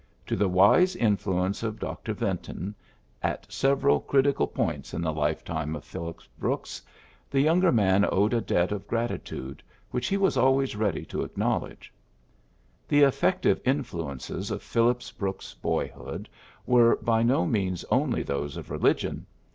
To the wise influence of Dr. Yinton, at several criti cal points in the lifetime of Phillips PHILLIPS BROOKS 9 Brooks, the younger man owed a debt of gratitude, which he was always ready to acknowledge. The effective influences of Phillips Brooks's boyhood were by no means only those of religion.